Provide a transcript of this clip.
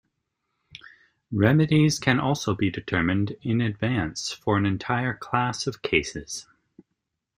Remedies can also be determined in advance for an entire class of cases.